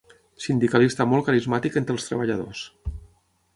Sindicalista molt carismàtic entre els treballadors.